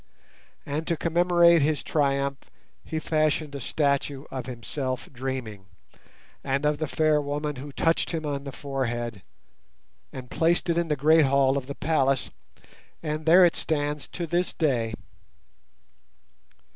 And to commemorate his triumph he fashioned a statue of himself dreaming, and of the fair woman who touched him on the forehead, and placed it in the great hall of the palace, and there it stands to this day.